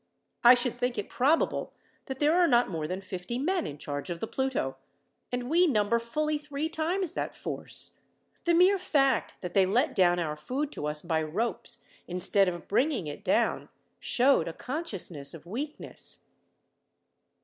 I should think it probable that there are not more than fifty men in charge of the Pluto, and we number fully three times that force. The mere fact that they let down our food to us by ropes, instead of bringing it down, showed a consciousness of weakness."